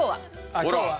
あっ今日は？